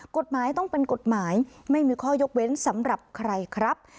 กฎหมายต้องเป็นกฎหมายไม่มีข้อยกเว้นสำหรับใครครับ